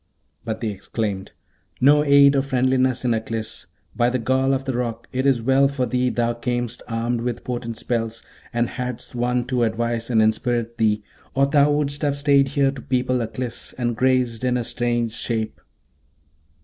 But they exclaimed, 'No aid or friendliness in Aklis! By the gall of the Roc! it is well for thee thou camest armed with potent spells, and hadst one to advise and inspirit thee, or thou wouldst have stayed here to people Aklis, and grazed in a strange shape.'